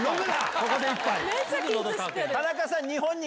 ここで一杯。